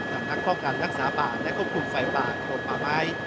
ธรรมนักครอบครับนักศาบาลและควบคุมไฟปากของป่าไม้